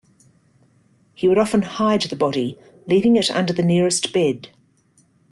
He would often hide the body, leaving it under the nearest bed.